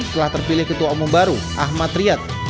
telah terpilih ketua umum baru ahmad riyad